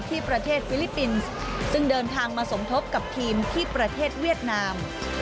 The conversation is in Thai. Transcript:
ที่ประเทศฟิลิปปินส์ซึ่งเดินทางมาสมทบกับทีมที่ประเทศเวียดนาม